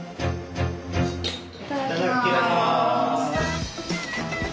いただきます。